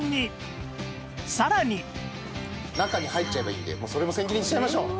さらに中に入っちゃえばいいのでもうそれも千切りにしちゃいましょう。